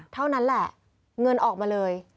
เท่านั้นแหละเงินออกมาเลย